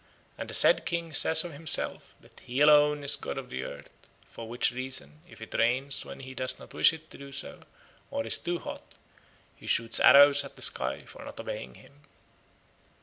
And the said king says of himself that he alone is god of the earth, for which reason if it rains when he does not wish it to do so, or is too hot, he shoots arrows at the sky for not obeying him."